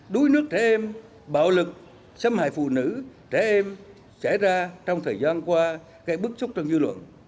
đuối nước trẻ em bạo lực xâm hại phụ nữ trẻ em xảy ra trong thời gian qua gây bức xúc trong dư luận